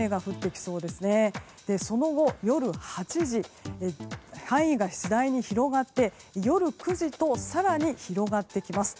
その後、夜８時には範囲が次第に広がって夜９時と、更に広がってきます。